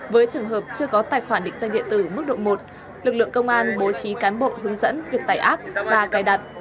với trường hợp chưa có tài khoản định danh điện tử mức độ một lực lượng công an bố trí cán bộ hướng dẫn việc tải app và cài đặt